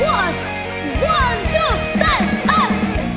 เฮ้ยวันวันดูแสนอ้าว